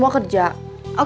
kau bisa berjaya